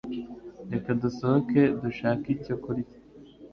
Reka dusohoke dushake icyo kurya.